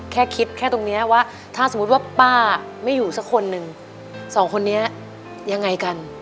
แค่คิดแค่ตรงนี้ว่าถ้าสมมุติว่าป้าไม่อยู่สักคนหนึ่งสองคนนี้ยังไงกัน